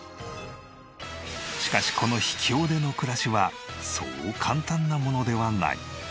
しかしこの秘境での暮らしはそう簡単なものではない。